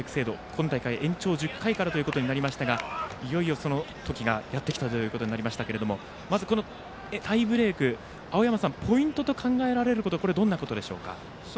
今大会、延長１０回からとなりましたがいよいよその時がやってきたということになりますがまず、タイブレークですが青山さん、ポイントと考えられることはどんなことでしょうか。